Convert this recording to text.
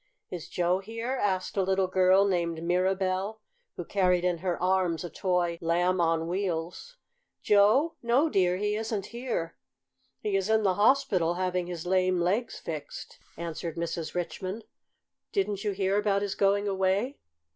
"Is Joe here?" asked a little girl named Mirabell, who carried in her arms a toy Lamb on Wheels. "Joe? No, dear, he isn't here. He is in the hospital having his lame legs fixed," answered Mrs. Richmond. "Didn't you hear about his going away?"